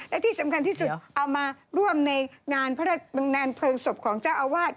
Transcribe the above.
และที่สำคัญที่สุดเอามาร่วมในงานพระบำนานเพลิงศพของเจ้าอาวาส